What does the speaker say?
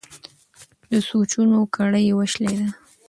د سوچونو کړۍ یې وشلېده.